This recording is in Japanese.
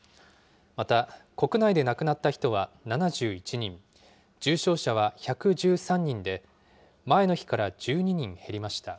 また国内で亡くなった人は７１人、重症者は１１３人で、前の日から１２人減りました。